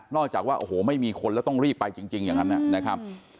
จากว่าโอ้โหไม่มีคนแล้วต้องรีบไปจริงอย่างนั้นนะครับ